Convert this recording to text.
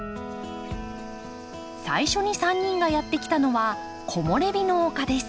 最初に３人がやって来たのはこもれびの丘です。